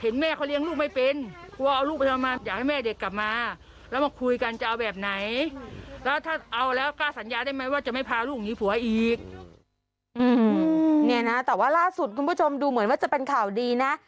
เนี่ยนะแต่ว่าล่าสุดคุณผู้ชมดูเหมือนว่าจะเป็นข่าวดีนะ